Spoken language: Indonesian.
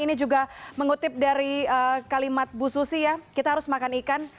ini juga mengutip dari kalimat bu susi ya kita harus makan ikan